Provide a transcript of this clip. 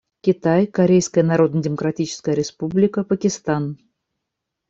Китай, Корейская Народно-Демократическая Республика, Пакистан.